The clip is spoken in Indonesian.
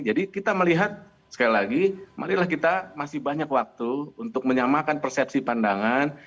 kita melihat sekali lagi marilah kita masih banyak waktu untuk menyamakan persepsi pandangan